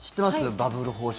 バブル方式。